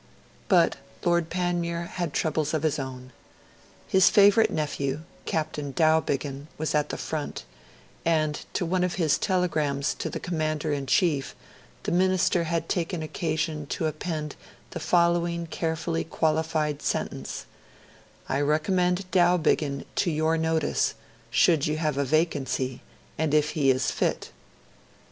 But Lord Panmure had troubles of his own. His favourite nephew, Captain Dowbiggin, was at the front, and to one of his telegrams to the Commander in Chief the Minister had taken occasion to append the following carefully qualified sentence 'I recommend Dowbiggin to your notice, should you have a vacancy, and if he is fit'.